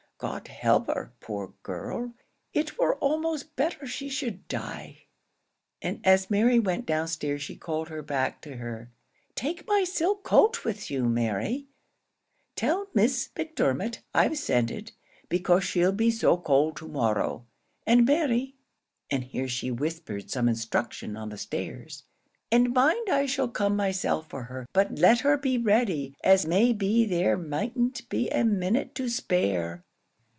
God help her, poor girl; it were almost better she should die," and as Mary went down stairs she called her back to her. "Take my silk cloak with you, Mary. Tell Miss Macdermot I've sent it, because she'll be so cold to morrow and Mary," and here she whispered some instruction on the stairs, "and mind I shall come myself for her but let her be ready, as may be there mayn't be a minute to spare."